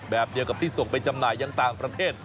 แบบเดียวกับที่ส่งไปจำหน่ายยังต่างประเทศ